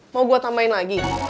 mau gue tambahin lagi